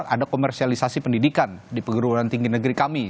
ada komersialisasi pendidikan di perguruan tinggi negeri kami